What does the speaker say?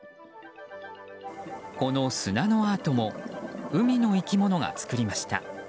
この砂のアートも海の生き物が作りました。